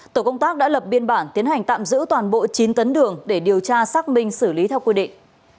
tổ công tác đã lập biên bản tiến hành tạm giữ toàn bộ chín tấn đường để điều tra xác minh xử lý theo quy định